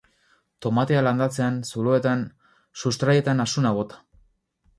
Tomatea landatzean, zuloean, sustraietan asuna bota.